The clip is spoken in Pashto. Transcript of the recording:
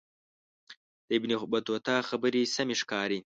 د ابن بطوطه خبرې سمې ښکاري.